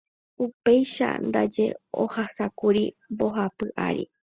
Upeichaite ndaje ohasákuri mbohapy ary.